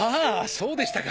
そうでしたか。